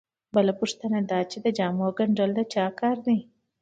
بله پوښتنه دا چې د جامو ګنډل د چا کار دی